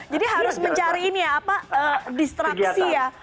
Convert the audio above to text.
jadi harus mencari ini ya apa distraksi ya